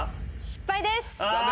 失敗です。